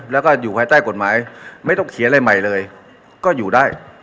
แล้วก็อยู่ภายใต้กฎหมายไม่ต้องเขียนอะไรใหม่เลยก็อยู่ได้